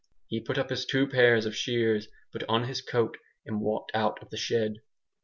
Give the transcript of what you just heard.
He put up his two pairs of shears, put on his coat, and walked out of the shed.